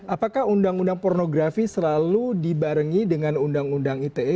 apakah undang undang pornografi selalu dibarengi dengan undang undang ite